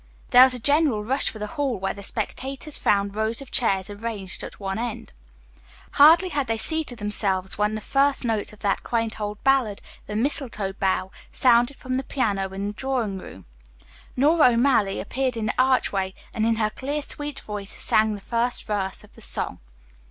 There was a general rush for the hall where the spectators found rows of chairs arranged at one end. Hardly had they seated themselves when the first notes of that quaint old ballad, "The Mistletoe Bough," sounded from the piano in the drawing room, Nora O'Malley appeared in the archway, and in her clear, sweet voice sang the first verse of the song.